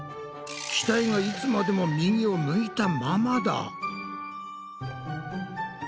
機体がいつまでも右を向いたままだ！